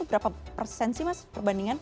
berapa persen sih mas perbandingan